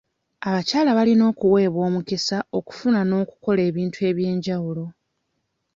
Abakyala balina okuweebwa omukisa okufuna n'okukola ebintu ebyenjawulo